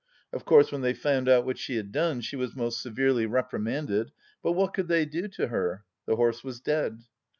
Of course, when they found out what she had done, she was most severely reprimanded, but what could they do to her ? The horse was dead.